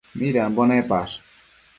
Midambo nepash?